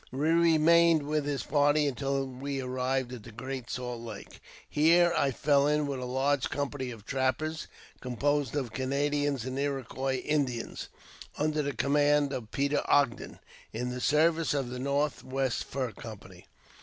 We remained with his party until we arrived at the Great Salt Lake. Here I fell in with a large company of trappers, com y posed of Canadians and Iroquois Indians, under the command of Peter Ogden, in the service of the North west Fur Company.